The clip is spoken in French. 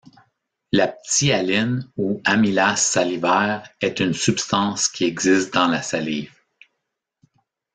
La ptyaline ou amylase salivaire est une substance qui existe dans la salive.